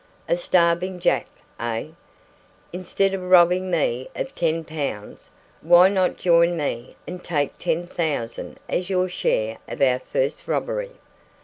A starving Jack, eh? Instead of robbing me of ten pounds, why not join me and take ten thousand as your share of our first robbery?